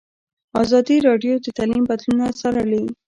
ازادي راډیو د تعلیم بدلونونه څارلي.